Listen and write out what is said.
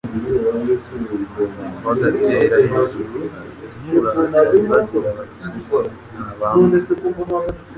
bagatera hejuru n'uburakari bagira bati : "nabambwe,"